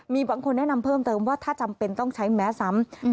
มีบางคนแนะนำเพิ่มเติมว่าถ้าจำเป็นต้องใช้แม้ซ้ำ